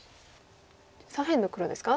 左辺の黒ですか？